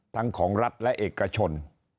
ของรัฐและเอกชน